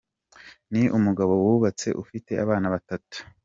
ni umugabo wubatse ufite abana batatu.